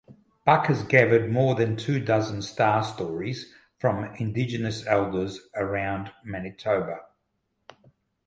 Buck has gathered more than two dozen star stories from indigenous elders around Manitoba.